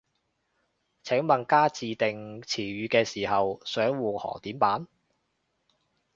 請問加自訂詞語嘅時候，想換行點辦